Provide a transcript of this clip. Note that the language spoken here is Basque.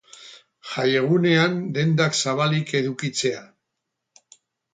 Jaiegunean dendak zabalik edukitzea.